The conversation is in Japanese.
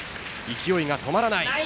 勢いが止まらない。